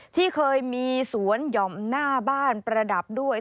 ที่เคยมีสวนหย่อมหน้าบ้านประดับด้วย